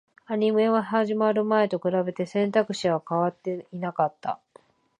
アニメが始まる前と比べて、選択肢は変わっていなかった